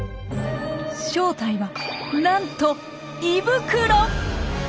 正体はなんと「胃袋」。